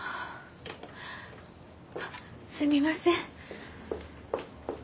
すみません。